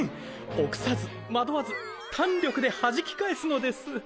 臆さず惑わず胆力で弾き返すのです！！